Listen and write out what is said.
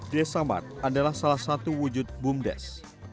desa mart adalah salah satu wujud bumdes